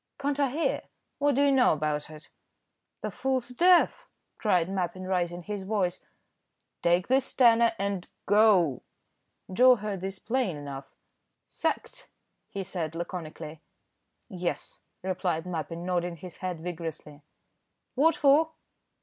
"Can't I hear? what do you know about it?" "The fool's deaf," cried Mappin, raising his voice. "Take this tenner and go." Joe heard this plain enough. "Sacked!" he said, laconically. "Yes," replied Mappin, nodding his head vigorously. "What for?"